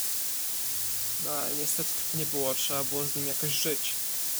"No, ale niestety tak nie było, trzeba było z nim jakoś żyć."